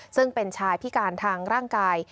ซึ่งเป็นชายพิการทางร่างกาย